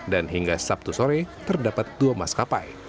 dan hingga sabtu sore terdapat dua maskapai